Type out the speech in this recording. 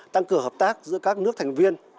tăng cửa hợp tác giữa các nước thành viên